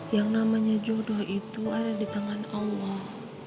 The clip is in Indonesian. yang namanya jodoh itu ada di tangan allah